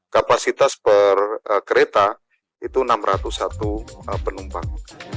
kapasitas per kereta itu enam ratus satu penumpang